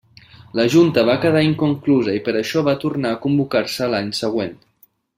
La Junta va quedar inconclusa i per això va tornar a convocar-se l'any següent.